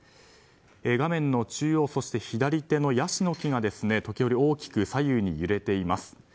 画面の中央そして左手のヤシの木が時折大きく左右に揺れています。